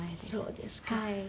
そうですか。